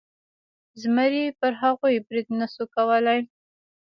زمري پر هغوی برید نشو کولی.